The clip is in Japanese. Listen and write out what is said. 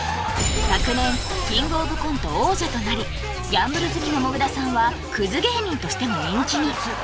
昨年キングオブコント王者となりギャンブル好きのもぐらさんはクズ芸人としても人気に！